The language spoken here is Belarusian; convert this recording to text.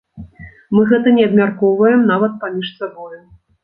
Мы гэта не абмяркоўваем нават паміж сабою.